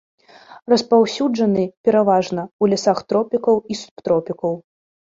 Распаўсюджаны пераважна ў лясах тропікаў і субтропікаў.